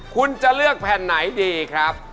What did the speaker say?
คุณจะเลือกแผ่นไหนดีครับ